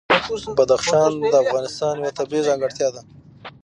بدخشان د افغانستان یوه طبیعي ځانګړتیا ده.